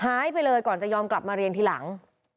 หายไปเลยก่อนจะยอมกลับมาเรียนทีหลัง